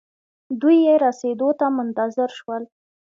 دوئ يې رسېدو ته منتظر شول.